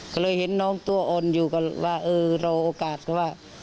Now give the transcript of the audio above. ก็เลยเห็นน้องตัวอ่อนอยู่ก็ว่าเออรอโอกาสว่า